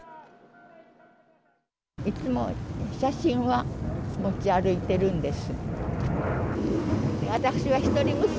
いつも写真は持ち歩いているんです。